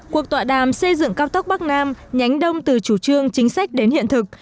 cuộc tọa đàm xây dựng cao tốc bắc nam nhánh đông từ chủ trương chính sách đến hiện thực